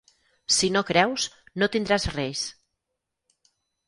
Si no creus, no tindràs reis.